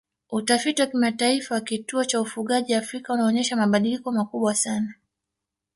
Utafiti wa kimataifa wa kituo cha ufugaji Afrika unaonyesha mabadiliko makubwa sana